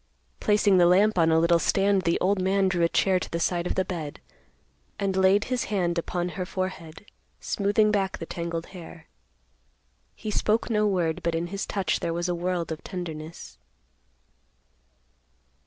Placing the lamp on a little stand, the old man drew a chair to the side of the bed, and laid his hand upon her forehead, smoothing back the tangled hair. He spoke no word, but in his touch there was a world of tenderness.